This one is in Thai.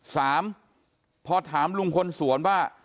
สามพอถามลุงพลสวนว่า